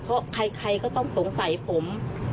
เพราะใครก็ต้องสงสัยผม